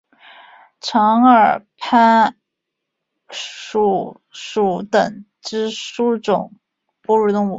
长耳攀鼠属等之数种哺乳动物。